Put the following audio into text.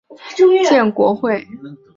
加入中国民主建国会。